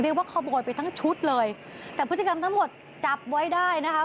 เรียกว่าขโมยไปทั้งชุดเลยแต่พฤติกรรมทั้งหมดจับไว้ได้นะคะ